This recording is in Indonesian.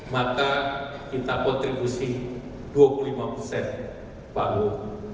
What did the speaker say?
maka kita kontribusi dua puluh lima persen palu